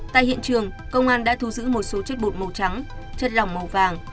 tại hiện trường công an đã thu giữ một số chất bột màu trắng chất lỏng màu vàng